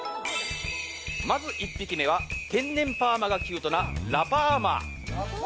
まず１匹目は天然パーマがキュートなラパーマ。